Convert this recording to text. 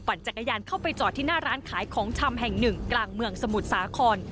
จักรยานเข้าไปจอดที่หน้าร้านขายของชำแห่งหนึ่งกลางเมืองสมุทรสาคร